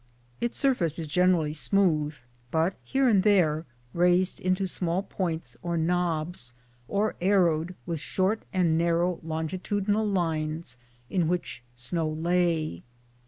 Its surface is generally smooth, but here and there raised MOUNT RAINIER into small points or knobs or arrowed with short and narrow longitudinal lines in which snow lay.